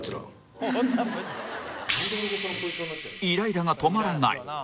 イライラが止まらない